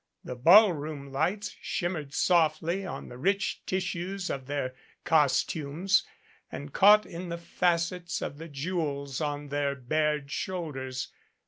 The ball room lights shimmered softly on the rich tissues of their costumes, and caught in the facets of the jewels on their bared shoulders.